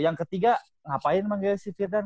yang ketiga ngapain memang si firdan